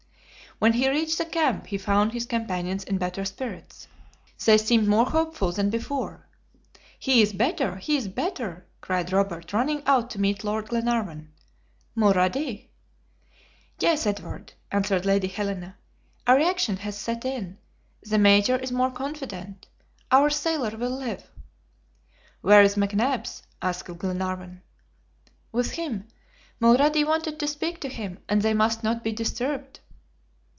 When he reached the camp he found his companions in better spirits. They seemed more hopeful than before. "He is better! he is better!" cried Robert, running out to meet Lord Glenarvan. "Mulrady? " "Yes, Edward," answered Lady Helena. "A reaction has set in. The Major is more confident. Our sailor will live." "Where is McNabbs?" asked Glenarvan. "With him. Mulrady wanted to speak to him, and they must not be disturbed."